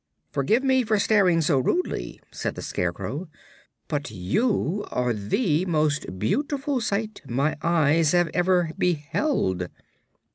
"Forgive me for staring so rudely," said the Scarecrow, "but you are the most beautiful sight my eyes have ever beheld."